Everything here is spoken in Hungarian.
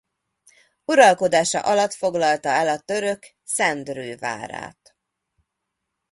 Uralkodása alatt foglalta el a török Szendrő várát.